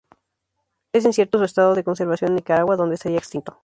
Es incierto su estado de conservación en Nicaragua, donde estaría extinto.